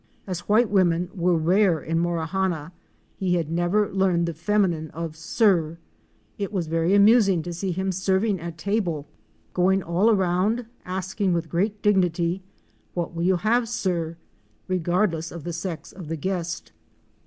As white women were rare in Morawhanna he had never learned the feminine of " Sir."" It was very amusing to see him serv ing at table, going all around asking with great dignity, "What will you have, Suh ?"' regardless of the sex of the guest.